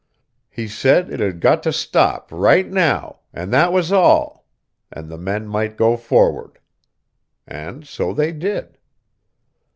He said it had got to stop right now, and that was all, and the men might go forward. And so they did.